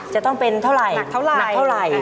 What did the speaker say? จะต้องเป็นเท่าไหร่หนักเท่าไหร่